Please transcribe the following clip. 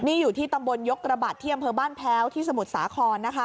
นี่อยู่ที่ตำบลยกระบัดที่อำเภอบ้านแพ้วที่สมุทรสาครนะคะ